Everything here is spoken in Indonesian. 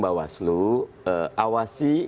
mbak waslu awasi